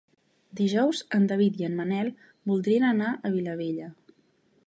Dijous en David i en Manel voldrien anar a Vilabella.